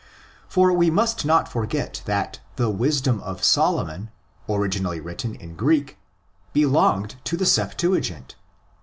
For we must not forget that the Wisdom of Solomon, originally written in Greek, belonged to the Septuagint.